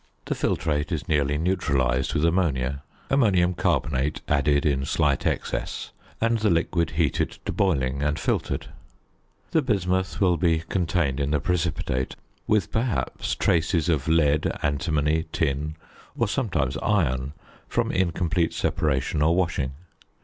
The filtrate is nearly neutralised with ammonia; ammonium carbonate added in slight excess; and the liquid heated to boiling and filtered. The bismuth will be contained in the precipitate with perhaps traces of lead, antimony, tin, or sometimes iron from incomplete separation or washing.